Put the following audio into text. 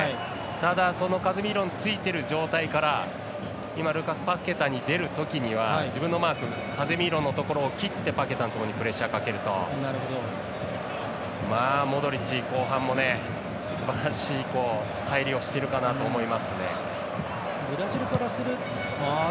ただ、そのカゼミーロについている状態からルーカス・パケタに出るときには自分のマークカゼミーロのところ切ってパケタのところにプレッシャーをかけるとモドリッチ、後半もすばらしい入りをしているかなと思いますね。